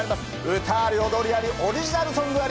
歌あり踊りありオリジナルソングあり。